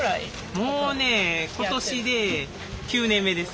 もうね今年で９年目です。